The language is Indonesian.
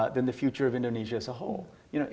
dari masa depan indonesia sebagai sepenuhnya